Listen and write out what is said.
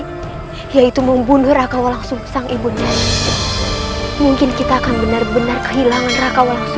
bagaimana jika saat itu wanita jahat itu melakukan hal yang lebih keji